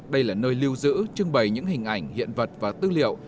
đây là nơi lưu giữ trưng bày những hình ảnh hiện vật và tư liệu